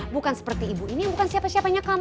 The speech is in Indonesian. bukan seperti ibu ini bukan siapa siapanya kamu